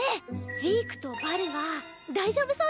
ジークとバルは大丈夫そうだ。